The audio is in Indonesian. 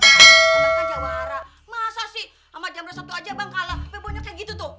emang kan jawara masa sih sama jamret satu aja bang kalah bebo nya kayak gitu tuh